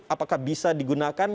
apakah bisa digunakan